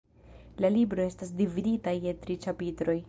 La libro estas dividita je tri ĉapitroj.